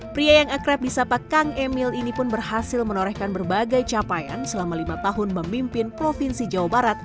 pria yang akrab di sapa kang emil ini pun berhasil menorehkan berbagai capaian selama lima tahun memimpin provinsi jawa barat